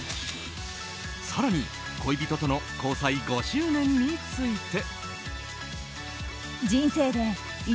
更に恋人との交際５周年について。